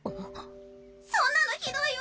そんなのひどいよ！